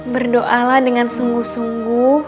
berdoa lah dengan sungguh sungguh